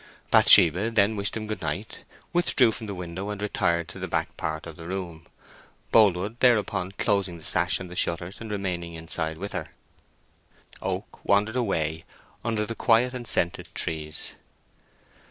Bathsheba then wished them good night, withdrew from the window, and retired to the back part of the room, Boldwood thereupon closing the sash and the shutters, and remaining inside with her. Oak wandered away under the quiet and scented trees.